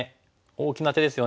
大きな手ですよね。